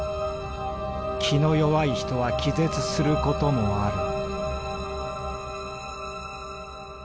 気の弱い人は気絶することもある」。